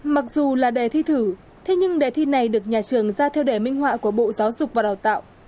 mặc dù là đề thi thử thế nhưng đề thi này được nhà trường ra theo đề minh họa của bộ giáo dục và đào tạo